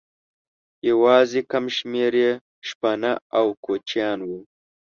یواځې کم شمېر یې شپانه او کوچیان وو.